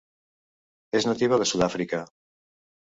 És nativa de Sud-àfrica.